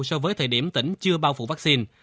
so với thời điểm tỉnh chưa bao phủ vaccine